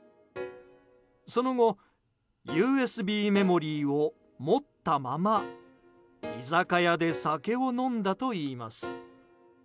その後、ＵＳＢメモリーを持ったまま居酒屋で酒を飲んだといいます。